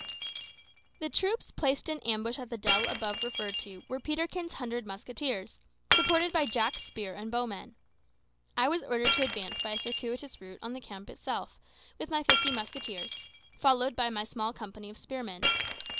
The troops placed in ambush at the dell above referred to were Peterkin's hundred musketeers, supported by Jack's spear and bow men. I was ordered to advance by a circuitous route on the camp itself with my fifty musketeers, followed by my small company of spearmen.